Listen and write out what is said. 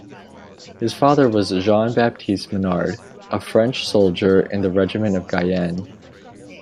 His father was Jean Baptiste Menard, a French soldier in the regiment of Guyenne.